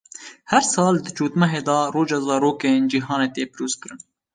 Her sal di cotmehê de Roja Zarokên Cîhanî tê pîrozkirin.